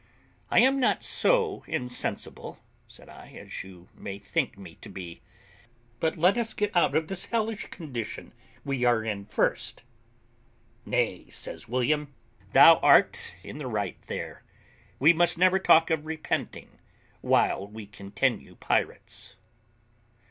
I am not so insensible," said I, "as you may think me to be. But let us get out of this hellish condition we are in first." "Nay," says William, "thou art in the right there; we must never talk of repenting while we continue pirates."